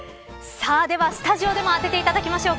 スタジオでも当てていただきましょう。